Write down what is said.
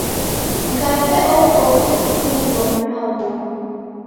Mkape ofwa ukikufungua mwana wa w'omi.